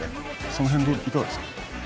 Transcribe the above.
その辺、いかがですか。